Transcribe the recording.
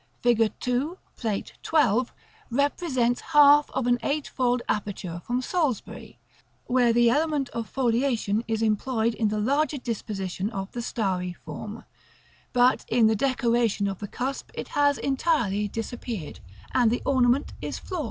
Fig. 2, Plate XII., represents half of an eight foiled aperture from Salisbury; where the element of foliation is employed in the larger disposition of the starry form; but in the decoration of the cusp it has entirely disappeared, and the ornament is floral.